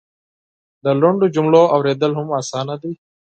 د لنډو جملو اورېدل هم اسانه دی.